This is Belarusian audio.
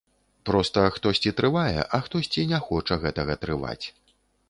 Проста хтосьці трывае, а хтосьці не хоча гэтага трываць.